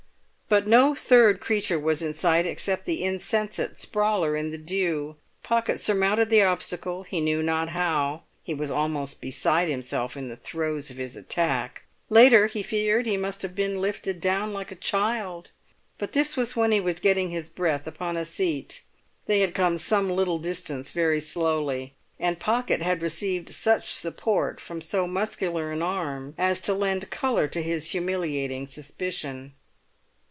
But no third creature was in sight except the insensate sprawler in the dew. Pocket surmounted the obstacle, he knew not how; he was almost beside himself in the throes of his attack. Later, he feared he must have been lifted down like a child; but this was when he was getting his breath upon a seat. They had come some little distance very slowly, and Pocket had received such support from so muscular an arm as to lend colour to his humiliating suspicion.